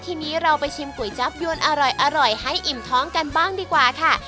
ทีนี้เราไปชิมก๋วยจับยวนอร่อยให้อิ่มท้องกันบ้างดีกว่าค่ะ